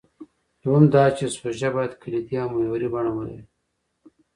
دویم دا چې سوژه باید کلیدي او محوري بڼه ولري.